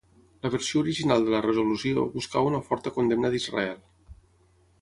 La versió original de la resolució buscava una forta condemna d'Israel.